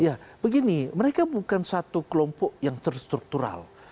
ya begini mereka bukan satu kelompok yang terstruktural